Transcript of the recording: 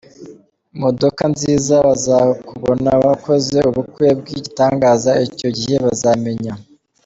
modoka nziza, bazakubone wakoze ubukwe bwigitangaza, icyo gihe bazamenya .